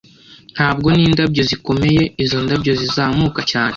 ntabwo n'indabyo zikomeye izo ndabyo zizamuka cyane